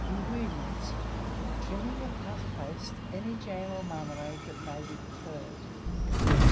INGREDIENTS. Trimmings of puff paste, any jam or marmalade that may be preferred.